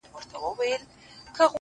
ځوان ولاړ سو”